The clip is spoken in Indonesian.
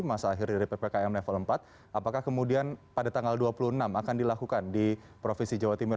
masa akhir dari ppkm level empat apakah kemudian pada tanggal dua puluh enam akan dilakukan di provinsi jawa timur